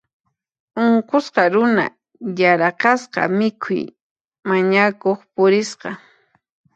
Unqusqa runa yaraqasqa mikhuy mañakuq purisqa.